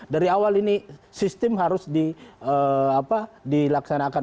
dari awal ini sistem harus dilaksanakan